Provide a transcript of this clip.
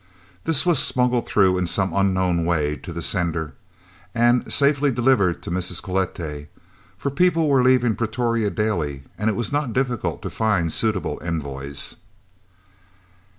This was smuggled through in some way unknown to the sender and safely delivered to Mrs. Cloete, for people were leaving Pretoria daily, and it was not difficult to find suitable envoys.